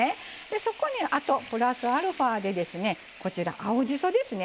そこにあとプラスアルファでですねこちら青じそですね